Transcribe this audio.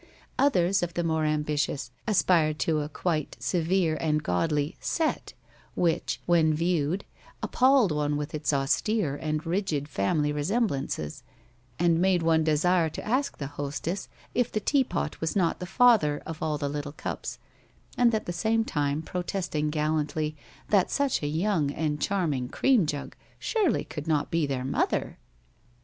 Others of the more ambitious aspired to a quite severe and godly "set," which, when viewed, appalled one with its austere and rigid family resemblances, and made one desire to ask the hostess if the teapot was not the father of all the little cups, and at the same time protesting gallantly that such a young and charming cream jug surely could not be their mother.